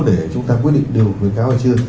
để chúng ta quyết định đều khuyến cáo hay chưa